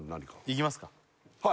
いきますか？